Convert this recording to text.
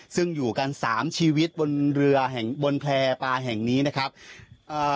ซึ่งอยู่กันสามชีวิตบนเรือแห่งบนแพร่ปลาแห่งนี้นะครับเอ่อ